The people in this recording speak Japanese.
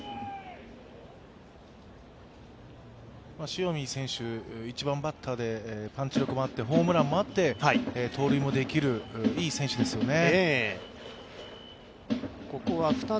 塩見選手、１番バッターでパンチ力もあってホームランもあって、盗塁もできるいい選手ですよね。